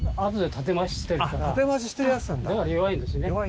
だから弱いんですね。